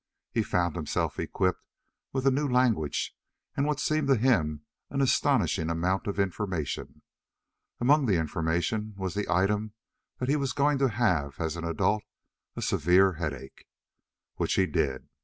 He found himself equipped with a new language and what seemed to him an astonishing amount of information. Among the information was the item that he was going to have as an adult a severe headache. Which he did.